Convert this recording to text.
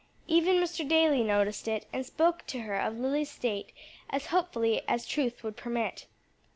Even Mr. Daly noticed it, and spoke to her of Lily's state as hopefully as truth would permit.